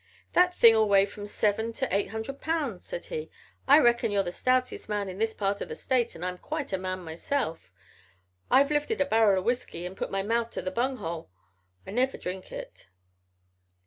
"That thing'll weigh from seven to eight hundred pounds," said he. "I reckon you're the stoutest man in this part o' the state an' I'm quite a man myself. I've lifted a barrel o' whisky and put my mouth to the bung hole. I never drink it."